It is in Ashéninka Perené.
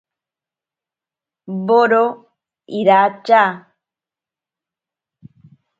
Woro iracha.